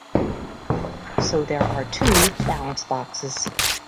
So there are two balance boxes.